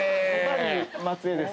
松江です。